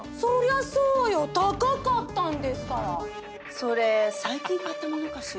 それ最近買ったものかしら？